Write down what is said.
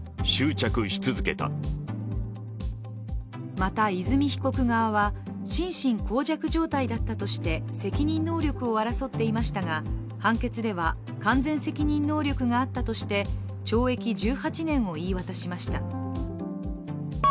また、和美被告側は心神耗弱状態だったとして責任能力を争っていますが、判決では完全責任能力があったとして懲役１８年を言い渡しました。